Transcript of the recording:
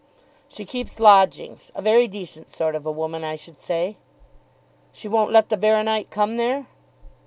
"She keeps lodgings; a very decent sort of a woman I should say." "She won't let the Baro nite come there?"